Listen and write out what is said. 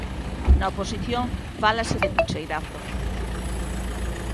Na oposición fálase de pucheirazo.